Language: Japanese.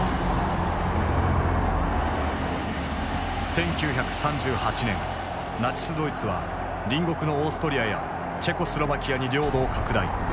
１９３８年ナチスドイツは隣国のオーストリアやチェコスロバキアに領土を拡大。